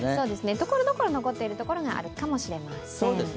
ところどころ残っているところがあるかもしれません。